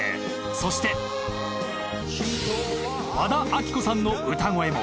そして和田アキ子さんの歌声も。